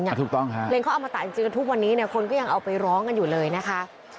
ก็ต้องแม่พึ่งจริงอย่างนี้คนก็ยังเอาไปร้องกันอยู่เลยนะคะ